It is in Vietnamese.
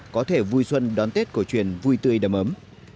có thể vui xuân đón tết cổ truyền vui tươi đầm ấm